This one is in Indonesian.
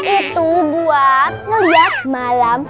itu buat ngeliat malam